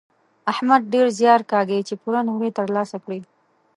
احمد ډېر زیار کاږي چې پوره نومرې تر لاسه کړي.